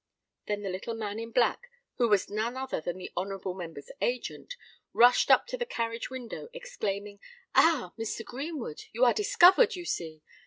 Then the little man in black, who was none other than the honourable member's agent, rushed up to the carriage window, exclaiming, "Ah! Mr. Greenwood!—you are discovered, you see!